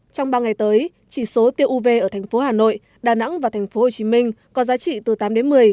trong ba ngày tới chỉ số tiêu uv ở thành phố hà nội đà nẵng và thành phố hồ chí minh có giá trị từ tám đến một mươi